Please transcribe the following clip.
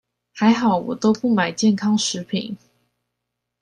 還好我都不買健康食品